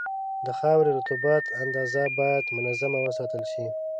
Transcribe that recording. د خاورې رطوبت اندازه باید منظمه وساتل شي.